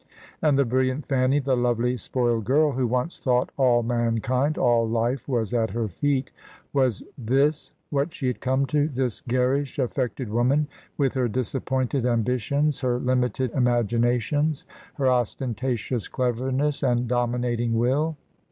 And the brilliant Fanny, the lovely spoiled girl who once thought all mankind, all life was at her feet — was this what she had come to, this garish, affected woman, with her disappointed am bitions, her limited imaginations, her ostentatious cleverness, and dominating will?